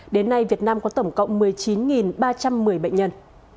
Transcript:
đến nay việt nam có tổng cộng một mươi chín ba trăm một mươi bệnh nhân